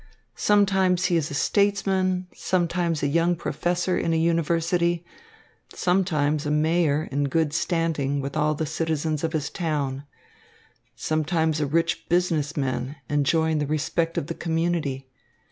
Sometimes he is a statesman, sometimes a young professor in a university, sometimes a mayor in good standing with all the citizens of his town, sometimes a rich business man enjoying the respect of the community.